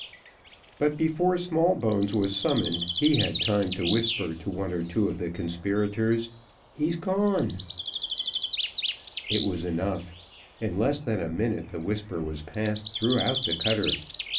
But before Smallbones was summoned, he had time to whisper to one or two of the conspirators "He's gone." It was enough; in less than a minute the whisper was passed throughout the cutter.